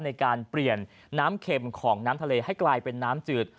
ในการเปลี่ยนน้ำเข็มของน้ำทะเลให้กลายเป็นน้ำจืด